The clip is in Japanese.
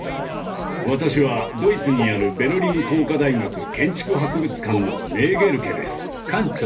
私はドイツにあるベルリン工科大学建築博物館のネーゲルケです。